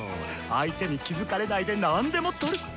相手に気付かれないで何でもとル！